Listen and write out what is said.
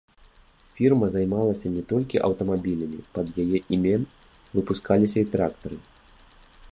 Фірма займалася не толькі аўтамабілямі, пад яе імем выпускаліся і трактары.